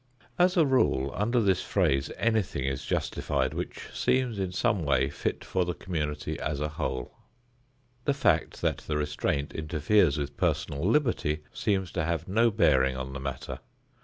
As a rule, under this phrase anything is justified which seems in some way fit for the community as a whole. The fact that the restraint interferes with personal liberty seems to have no bearing on the matter.